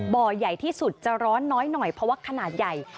บ่อใหญ่ที่สุดจะร้อนน้อยหน่อยเพราะว่าขนาดใหญ่